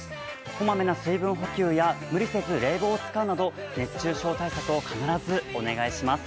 こまめな水分補給や、無理せず冷房を使うなど熱中症対策を必ずお願いします。